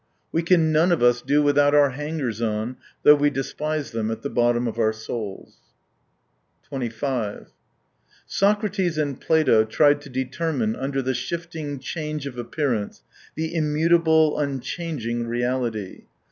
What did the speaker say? We can none of us do with out our hangers on, though we despise them at the bottom of our souls. Socrates and Plato tried to determine under the shifting change of appearance the immutable, unchanging reality.